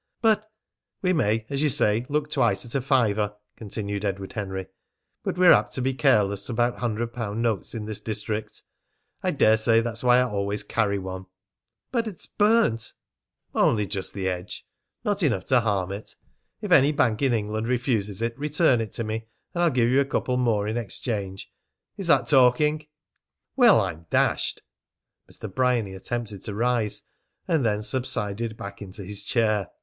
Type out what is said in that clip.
"But " "We may, as you say, look twice at a fiver," continued Edward Henry, "but we're apt to be careless about hundred pound notes in this district. I daresay that's why I always carry one." "But it's burnt!" "Only just the edge, not enough to harm it. If any bank in England refuses it, return it to me, and I'll give you a couple more in exchange. Is that talking?" "Well, I'm dashed!" Mr. Bryany attempted to rise, and then subsided back into his chair.